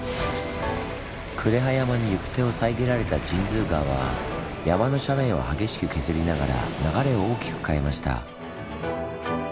呉羽山に行く手を遮られた神通川は山の斜面を激しく削りながら流れを大きく変えました。